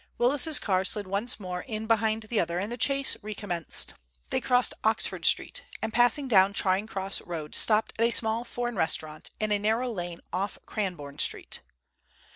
Willis's car slid once more in behind the other, and the chase recommenced. They crossed Oxford Street, and passing down Charing Cross Road stopped at a small foreign restaurant in a narrow lane off Cranbourne Street.